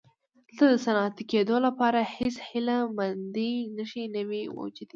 دلته د صنعتي کېدو لپاره هېڅ هیله مندۍ نښې نه وې موجودې.